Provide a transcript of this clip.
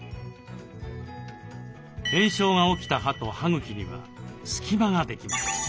炎症が起きた歯と歯茎には隙間ができます。